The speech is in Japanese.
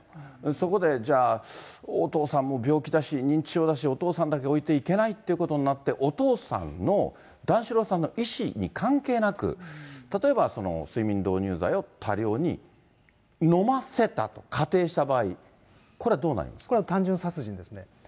そこでじゃあ、お父さんも病気だし、認知症だし、お父さんだけ置いていけないってことになって、お父さんの、段四郎さんの意思に関係なく、例えば睡眠導入剤を多量に飲ませたと仮定した場合、これはどうなこれは単純殺人ですね。